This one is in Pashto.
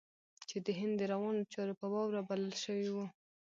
چې د هند د روانو چارو په باب رابلل شوی و.